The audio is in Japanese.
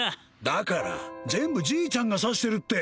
だから全部じいちゃんが指してるって